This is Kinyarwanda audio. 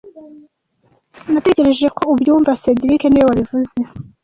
Natekereje ko ubyumva cedric niwe wabivuze